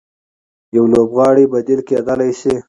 يو لوبغاړی بديل کېدلای سي.